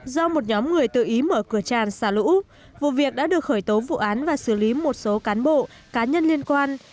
do một nhóm người tự ý mở cửa tràn xả lũ vụ việc đã được khởi tố vụ án và xử lý một số cán bộ cá nhân liên quan